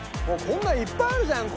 こんなのいっぱいあるじゃん！